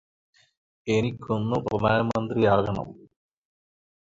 എനിക്കൊന്നു പ്രധാനമന്ത്രിയാകണം